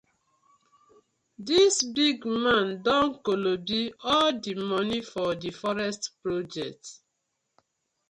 Dis big man don kolobi all di moni for di forest project.